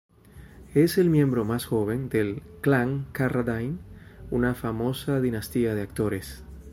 Es el miembro más joven del "clan" Carradine, una famosa dinastía de actores.